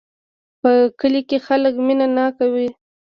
په کلي کې خلک مینه ناک وی